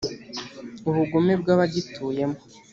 ubugome bw abagituyemo